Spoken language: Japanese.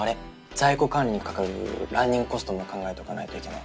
在庫管理にかかるランニングコストも考えとかないといけない。